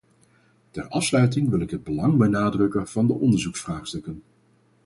Ter afsluiting wil ik het belang benadrukken van de onderzoeksvraagstukken.